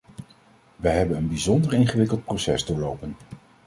Wij hebben een bijzonder ingewikkeld proces doorlopen.